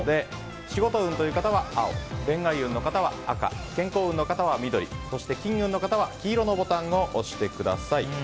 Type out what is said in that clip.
仕事運という方は青恋愛運の方は赤健康運の方は緑そして金運の方は黄色のボタンを押してください。